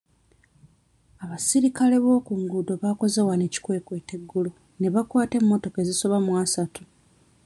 Abasirikale bookunguuddo baakoze wano ekikwekweto eggulo ne bakwata emmotoka ezisoba mu asatu.